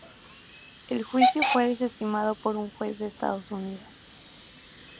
El juicio fue desestimado por un juez de Estados Unidos.